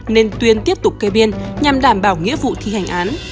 nên tuyên tiếp tục kê biên nhằm đảm bảo nghĩa vụ thi hành án